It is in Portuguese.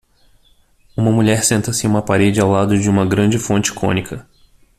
Uma mulher senta-se em uma parede ao lado de uma grande fonte cônica.